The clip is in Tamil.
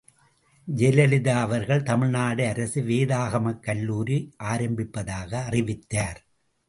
ஜெயலலிதா அவர்கள் தமிழ்நாடு அரசு வேதாகமக் கல்லூரி ஆரம்பிப்பதாக அறிவித்தார்.